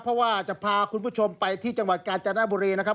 เพราะว่าจะพาคุณผู้ชมไปที่จังหวัดกาญจนบุรีนะครับ